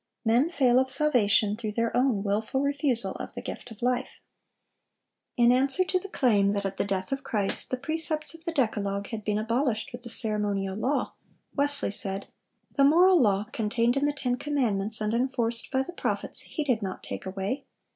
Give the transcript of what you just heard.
(379) Men fail of salvation through their own wilful refusal of the gift of life. In answer to the claim that at the death of Christ the precepts of the decalogue had been abolished with the ceremonial law, Wesley said: "The moral law, contained in the ten commandments and enforced by the prophets, He did not take away.